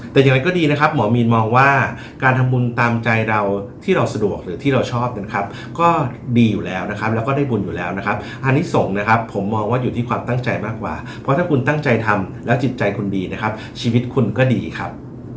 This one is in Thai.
แต่ยังไงก็ดีนะครับหมอมีนมองว่าการทำบุญตามใจเราที่เราสะดวกหรือที่เราชอบนะครับก็ดีอยู่แล้วนะครับแล้วก็ได้บุญอยู่แล้วนะครับอันนี้ส่งนะครับผมมองว่าอยู่ที่ความตั้งใจมากกว่าเพราะถ้าคุณตั้งใจทำแล้วจิตใจคุณดีนะครับชีวิตคุณก็ดีครับ